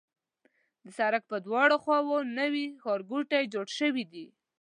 د سړک پر دواړو خواوو نوي ښارګوټي جوړ شوي دي.